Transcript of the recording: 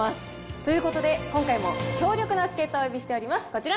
ということで、今回も強力な助っ人をお呼びしております。